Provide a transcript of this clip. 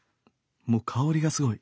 もう香りがすごい。